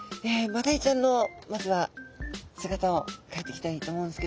マダイちゃんのまずは姿をかいていきたいと思うんですけど。